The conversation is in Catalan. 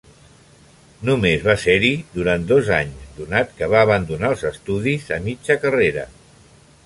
Només va ser-hi durant dos anys, donat que va abandonar els estudis a mitja carrera.